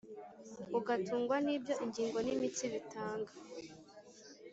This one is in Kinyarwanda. ugatungwa n’ibyo ingingo n’imitsi bitanga